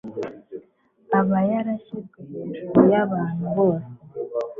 Aba yarashyizwe hejuru y'abantu bose,